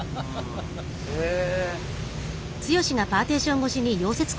へえ。